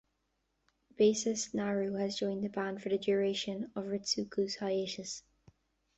Bassist Naru has joined the band for the duration of Ritsuko's hiatus.